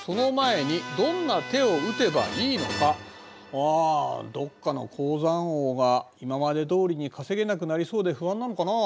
あどっかの鉱山王が今までどおりに稼げなくなりそうで不安なのかなあ。